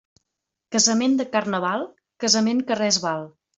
Casament de Carnaval, casament que res val.